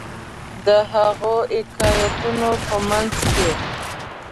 د هغو حکایتونو په منځ کې.